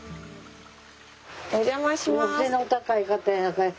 お邪魔します。